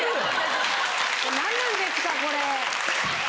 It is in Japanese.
なんなんですかこれ。